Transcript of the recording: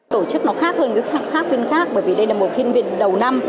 tổ chức nó khác hơn các phiên khác bởi vì đây là một phiên viện đầu năm